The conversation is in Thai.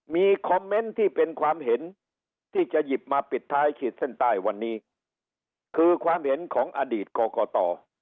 มีคอมเมนต์ที่เป็นความเห็นที่จะหยิบมาปิดท้ายขีดเส้นใต้วันนี้คือความเห็นของอดีตกรกต